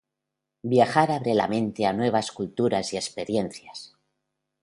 Viajar abre la mente a nuevas culturas y experiencias.